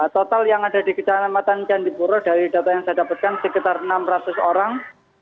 total yang ada di kecamatan candipuro dari data yang saya dapatkan sekitar enam ratus orang